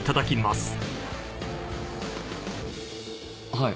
はい。